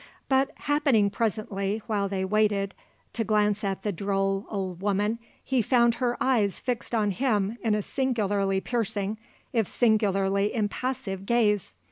But happening presently, while they waited, to glance at the droll old woman, he found her eyes fixed on him in a singularly piercing, if singularly impassive, gaze.